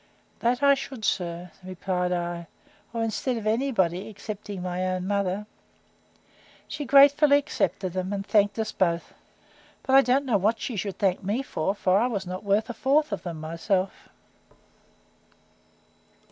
That I should, sir, replied I, or instead of any body, except my own mother. She gratefully accepted them, and thanked us both: But I don't know what she should thank me for; for I was not worth a fourth of them myself.